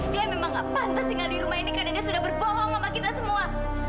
dia memang pantas tinggal di rumah ini karena dia sudah berbohong sama kita semua